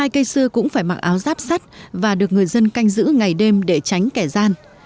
hai cây xưa cũng phải mặc áo giáp sắt và được người dân canh giữ ngày đêm để tránh kẻ gian